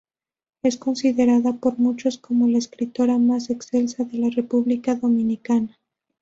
Es considerada por muchos como la escritora más excelsa de la República Dominicana.